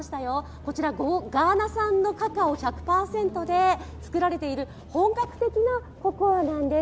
こちらガーナ産カカオ１００％で作られている本格的なココアなんです。